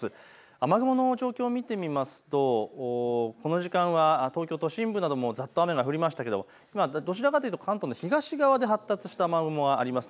雨雲の状況を見てみるとこの時間は東京都心部などもざっと雨が降りましたが今はどちらかというと関東の東側で発達した雨雲があります。